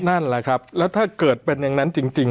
นั่นแหละครับแล้วถ้าเกิดเป็นอย่างนั้นจริง